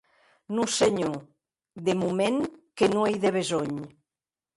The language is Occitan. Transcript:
Non, senhor; de moment que non ei de besonh.